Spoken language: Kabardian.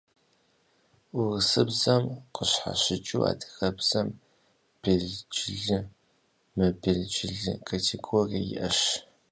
Урысыбзэм къыщхьэщыкӏыу адыгэбзэм белджылы, мыбелджылы категорие иӏэщ.